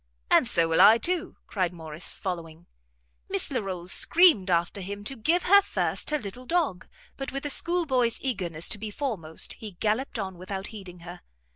"And so will I too," cried Morrice, following. Miss Larolles screamed after him to give her first her little dog; but with a schoolboy's eagerness to be foremost, he galloped on without heeding her.